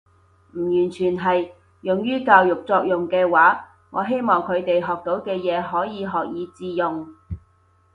唔完全係。用於教育作用嘅話，我希望佢哋學到嘅嘢可以學以致用